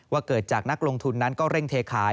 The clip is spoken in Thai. เกิดจากนักลงทุนนั้นก็เร่งเทขาย